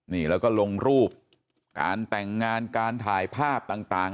นี่แล้วก็ลงรูปการแต่งงานการถ่ายภาพต่าง